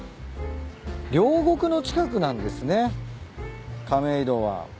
両国の近くなんですね亀戸は。